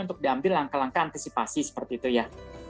untuk diambil langkah langkah antisipasi seperti itu ya